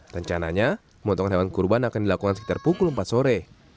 rencananya pemotongan hewan kurban akan dilakukan sekitar pukul empat sore